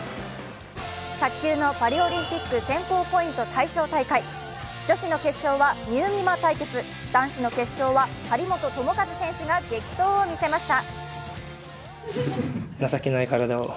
卓球のパリオリンピック選考ポイント対象大会、女子の決勝は、みうみま対決、男子の決勝は張本智和選手が激闘を見せました。